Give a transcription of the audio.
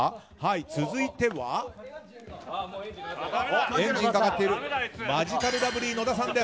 続いては、エンジンがかかってるマヂカルラブリー野田さんです。